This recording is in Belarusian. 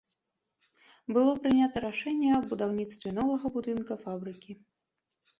Было прынята рашэнне аб будаўніцтве новага будынка фабрыкі.